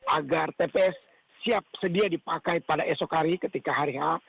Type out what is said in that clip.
agar tps siap sedia dipakai pada esok hari ketika hari h